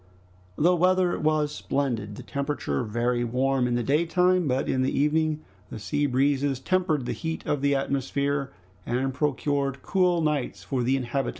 The weather was splendid, the temperature very warm in the day time, but in the evening the sea breezes tempered the heat of the atmosphere and procured cool nights for the inhabitants of Granite House.